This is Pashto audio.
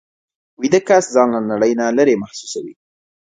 ویده کس ځان له نړۍ نه لېرې محسوسوي